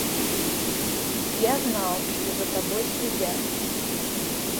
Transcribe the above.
Я знал, что за тобой следят.